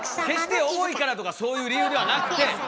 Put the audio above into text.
決して重いからとかそういう理由ではなくて！